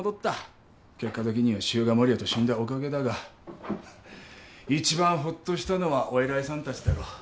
結果的には獅子雄が守谷と死んだおかげだが一番ほっとしたのはお偉いさんたちだろう。